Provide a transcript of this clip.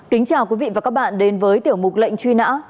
kính chào quý vị và các bạn đến với tiểu mục lệnh truy nã